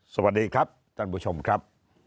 สวัสดีครับท่านผู้ชมครับ